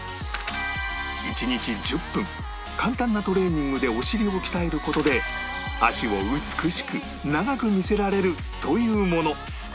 １日１０分簡単なトレーニングでお尻を鍛える事で脚を美しく長く見せられるというもの